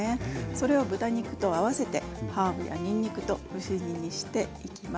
それを豚肉と合わせてハーブやにんにくと蒸し煮にしていきます。